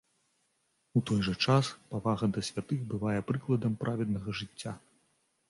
У той жа час павага да святых бывае прыкладам праведнага жыцця.